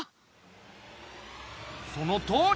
そのとおり！